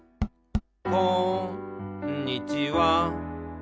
「こんにちは」